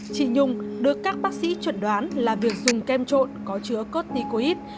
chị nhung được các bác sĩ chuẩn đoán là việc dùng kem trộn có chứa cotticoid